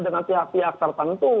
dengan pihak pihak tertentu